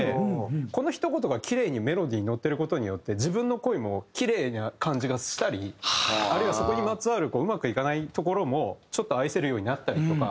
このひと言がキレイにメロディーに乗っている事によって自分の恋もキレイな感じがしたりあるいはそこにまつわるうまくいかないところもちょっと愛せるようになったりとか。